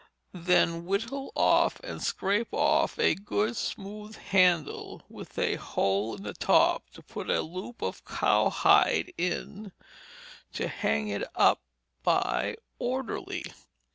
Then whittle off and scrape off a good smooth handle with a hole in the top to put a loop of cowhide in, to hang it up by orderly.